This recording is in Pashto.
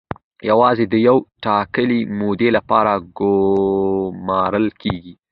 یوازې د یوې ټاکلې مودې لپاره ګومارل کیږي.